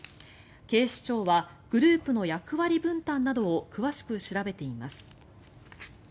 警視庁はグループの役割分担などを詳しく調べています。